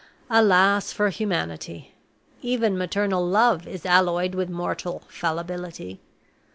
Alas for humanity! Even maternal love is alloyed with mortal fallibility.